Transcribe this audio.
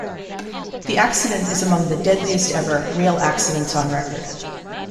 The accident is among the deadliest-ever rail accidents on record.